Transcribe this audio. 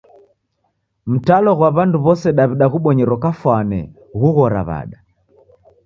Mtalo ghwa w'andu w'ose daw'ida ghubonyero kafwani ghughora w'ada?